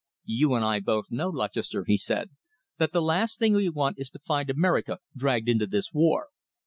"You and I both know, Lutchester," he said, "that the last thing we want is to find America dragged into this war.